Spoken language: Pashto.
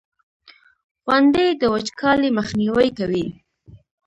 • غونډۍ د وچکالۍ مخنیوی کوي.